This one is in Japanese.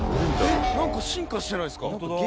「なんか進化してないですか？」